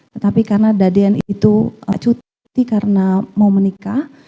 tetapi karena daden itu cuti karena mau menikah